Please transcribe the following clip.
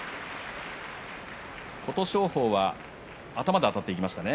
琴勝峰は頭であたっていきましたね。